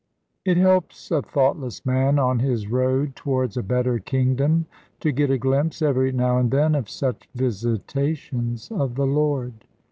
It helps a thoughtless man on his road towards a better kingdom, to get a glimpse, every now and then, of such visitations of the Lord.